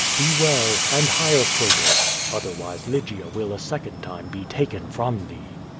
Be well, and hire Croto; otherwise Lygia will a second time be taken from thee.